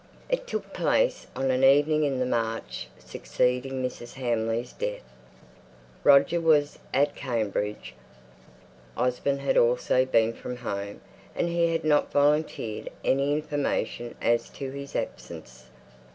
It took place on an evening in the March succeeding Mrs. Hamley's death. Roger was at Cambridge. Osborne had also been from home, and he had not volunteered any information as to his absence.